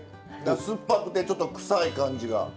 酸っぱくてちょっと臭い感じが。